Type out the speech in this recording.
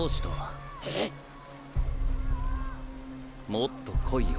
もっとこいよ。